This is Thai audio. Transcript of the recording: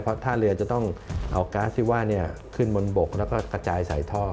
เพราะท่าเรือจะต้องเอาก๊าซที่ว่าขึ้นบนบกแล้วก็กระจายใส่ท่อ